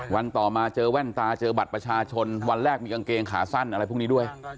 ต่อมาเจอแว่นตาเจอบัตรประชาชนวันแรกมีกางเกงขาสั้นอะไรพวกนี้ด้วย